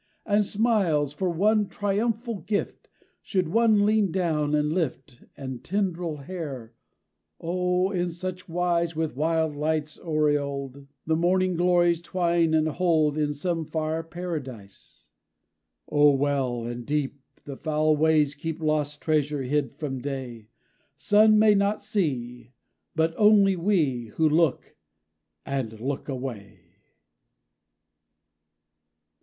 And smiles, for one triumphal Gift, Should one lean down, and lift! And tendril hair; O in such wise, With wild lights aureoled, The morning glories twine and hold, In some far paradise!_ _Oh well and deep, the foul ways keep Lost treasure hid from day! Sun may not see: but only we, Who look; and look away.